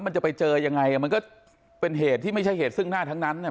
มันจะไปเจอยังไงอ่ะมันก็เป็นเหตุที่ไม่ใช่เหตุซึ่งหน้าทั้งนั้นเนี่ย